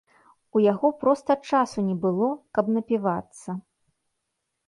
У яго проста часу не было, каб напівацца.